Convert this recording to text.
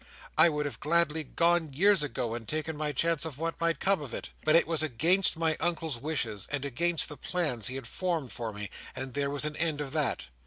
I would have gladly gone, years ago, and taken my chance of what might come of it. But it was against my Uncle's wishes, and against the plans he had formed for me; and there was an end of that.